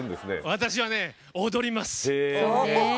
私はね、踊ります。